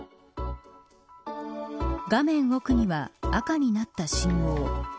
画面奥には、赤になった信号。